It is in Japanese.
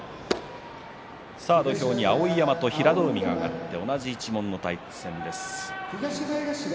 土俵に碧山と平戸海が上がって同じ一門の対戦です。